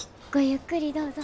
ゆっくりどうぞ。